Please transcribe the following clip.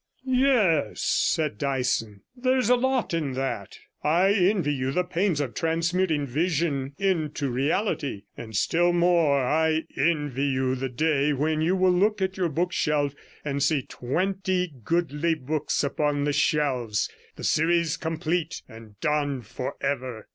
'Yes,' said Dyson, 'there is a lot in that. I envy you the pains of transmuting vision into reality, and, still more, I envy you the day when you will look at your bookshelf and see twenty goodly books upon the shelves the series complete and done for ever.